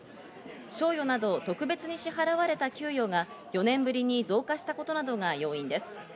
賞与など特別に支払われた給与が４年ぶりに増加したことなどが要因です。